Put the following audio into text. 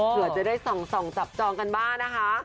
เผื่อจะได้ส่องจับจองกันบ้างนะคะ